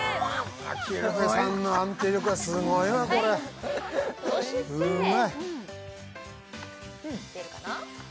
キルフェさんの安定力はすごいわこれうまいヤバい